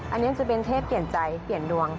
อันนี้จะเป็นเทพเปลี่ยนใจเปลี่ยนดวง